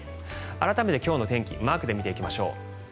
改めて今日の天気マークで見ていきましょう。